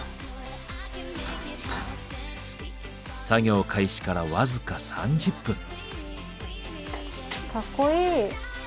作業開始から僅か３０分。